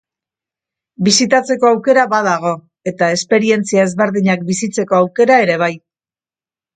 Bisitatzeko aukera badago eta esperientzia ezberdinak bizitzeko aukera ere bai.